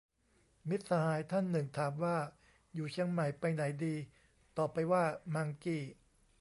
มิตรสหายท่านหนึ่งถามว่า อยู่เชียงใหม่ ไปไหนดี ตอบไปว่า มังกี้